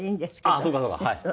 ああそうかそうかはい。